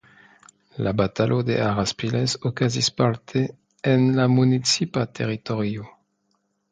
La Batalo de Araspiles okazis parte en la municipa teritorio.